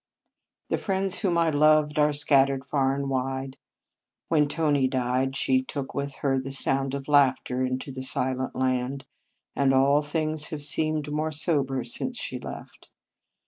The friends whom I loved are scat tered far and wide. When Tony died, she took with her the sound of laugh ter into the silent land, and all things have seemed more sober since she left.